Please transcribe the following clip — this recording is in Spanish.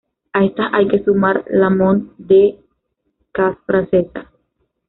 A estas hay que sumar la Mont des Cats francesa.